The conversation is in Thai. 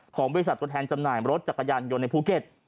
บริษัทตัวแทนจำหน่ายรถจักรยานยนต์ในภูเก็ต